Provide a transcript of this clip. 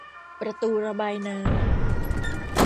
ประตูระบายน้ำ